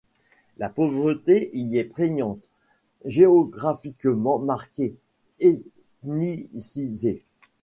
La pauvreté y est prégnante, géographiquement marquée, ethnicisée.